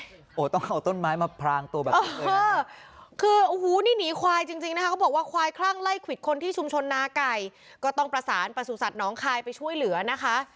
โห้ต้องเอาต้นไม้มาพรางตัวคืออุ้ยนี่ขวายจริงแล้วบอกว่าควายคลั่งไล่ขวิดคนที่ชุมชนนาไก่ก็ต้องประศานประสูจน์สัตว์น้องคลายไปช่วยเหลือนะคะ